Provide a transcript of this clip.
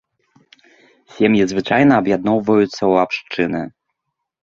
Сем'і звычайна аб'ядноўваюцца ў абшчыны.